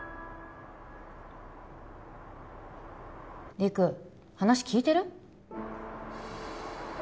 陸話聞いてる？